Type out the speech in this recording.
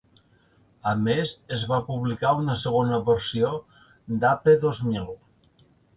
A més, es va publicar una segona versió d'"Ape Dos Mil".